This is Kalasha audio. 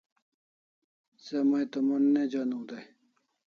Se mai to mon ne joniu dai